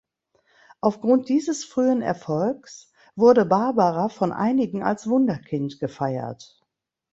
Aufgrund dieses frühen Erfolgs wurde Barbara von einigen als Wunderkind gefeiert.